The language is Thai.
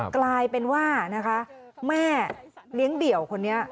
กลายเป็นว่านะคะแม่เลี้ยงเดี่ยวคนนี้